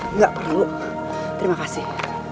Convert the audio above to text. enggak perlu terima kasih